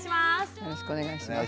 よろしくお願いします。